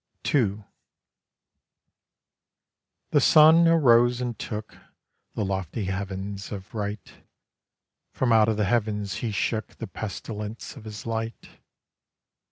II The Sun arose and took The lofty heav'ns of right; From out the heav'ns he shook The pestilence of his light.